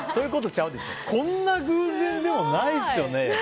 こんな偶然ないですよね。